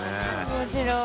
面白い。